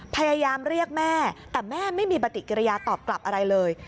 พยายามเรียกแม่แต่แม่ไม่มีปฏิกิริยาตอบกลับอะไรเลย